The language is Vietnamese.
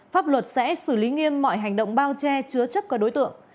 pháp luật sẽ xử lý nghiêm mọi hành động bao che chứa chấp các đối tượng